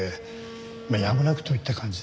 まあやむなくといった感じで。